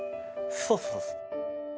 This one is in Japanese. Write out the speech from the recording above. そうそうそう。